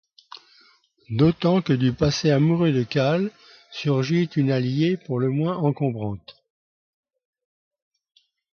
D'autant que du passé amoureux de Cal surgit une alliée pour le moins... encombrante.